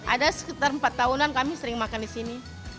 ada sekitar empat tahunan kami sering makan di sini